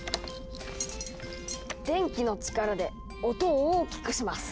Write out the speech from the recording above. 電気の力で音を大きくします。